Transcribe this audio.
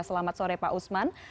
selamat sore pak usman